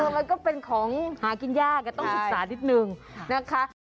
มันก็เป็นของหากินยากต้องศึกษานิดนึงนะคะ